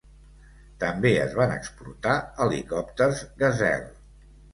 També es van exportar helicòpters Gazelle.